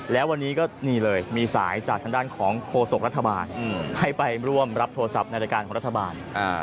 แล้ววันนี้ก็นี่เลยมีสายจากทางด้านของโฆษกรัฐบาลให้ไปร่วมรับโทรศัพท์ในรายการของรัฐบาล